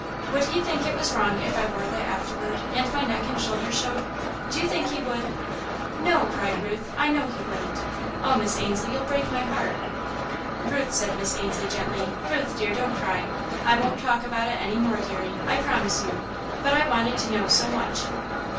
Would he think it was wrong if I wore that afterward, and my neck and shoulders showed? Do you think he would?" "No!" cried Ruth, "I know he wouldn't! Oh, Miss Ainslie, you break my heart!" "Ruth," said Miss Ainslie, gently; "Ruth, dear, don't cry! I won't talk about it any more, deary, I promise you, but I wanted to know so much!"